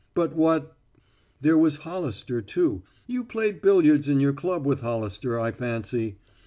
But what " "There was Hollister, too. You played billiards in your club with Hollister, I fancy.